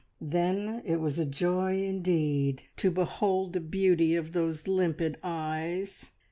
Then it was a joy indeed to behold the beauty of those limpid eyes!